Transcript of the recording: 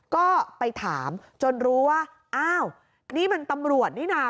ก็ไปถามจนรู้ว่าอ้าวนี่มันตำรวจนี่นะ